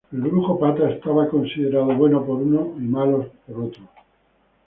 El Brujo Pata era considerado bueno por unos y malo por otros.